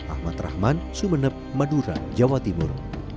ahmad rahman sumeneb madura jawa timur